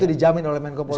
itu dijamin oleh menko polis